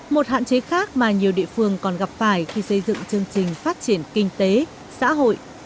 một hạn chế khác mà nhiều địa phương còn gặp phải khi xây dựng chương trình phát triển kinh tế xã hội